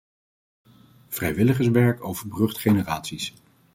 Vrijwilligerswerk overbrugt generaties.